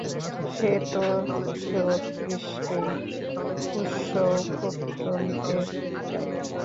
সে তো সতীশকেই পোষ্যপুত্র নিতে চায়।